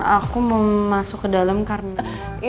aku mau masuk ke dalam karena